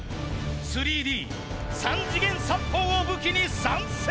３Ｄ三次元殺法を武器に参戦！